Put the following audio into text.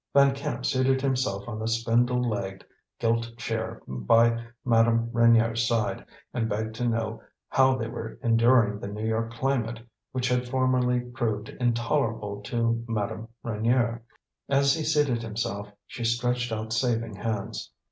Van Camp seated himself on a spindle legged, gilt chair by Madame Reynier's side, and begged to know how they were enduring the New York climate, which had formerly proved intolerable to Madame Reynier. As he seated himself she stretched out saving hands.